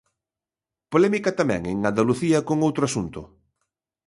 Polémica tamén en Andalucía con outro asunto.